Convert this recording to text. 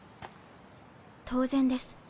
当然です。